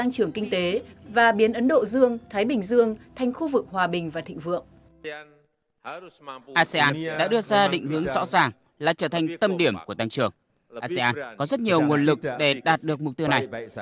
xin kính chào ông và cảm ơn ông đã nhận lời lập khách mời của antv hôm nay